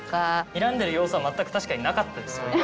にらんでる要素は全く確かになかったですよね